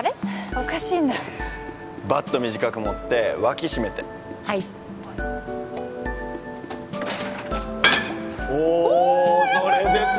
おかしいなバット短く持って脇締めてはいはいおーそれです